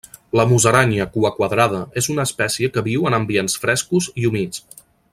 La musaranya cuaquadrada és una espècie que viu en ambients frescos i humits.